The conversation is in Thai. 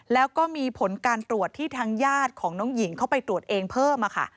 แล้วก็มีผลการตรวจที่ทางญาติของน้องหญิงเข้าไปตรวจเองเพิ่มค่ะ